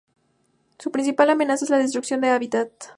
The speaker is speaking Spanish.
Su principal amenaza es la destrucción de hábitat.